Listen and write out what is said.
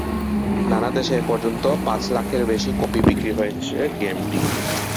নানা দেশে এ পর্যন্ত পাঁচ লাখের বেশি কপি বিক্রি হয়েছে গেমটি।